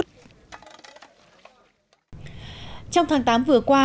trong tháng tám vừa qua